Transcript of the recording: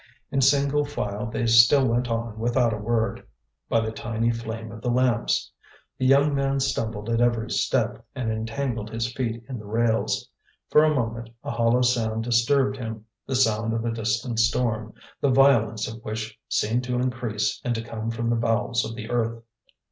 In single file they still went on without a word, by the tiny flame of the lamps. The young man stumbled at every step, and entangled his feet in the rails. For a moment a hollow sound disturbed him, the sound of a distant storm, the violence of which seemed to increase and to come from the bowels of the earth.